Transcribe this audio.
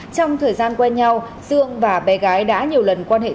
trong thời gian quen nhau dương và bé gái đã nhiều lần quan hệ tình cảm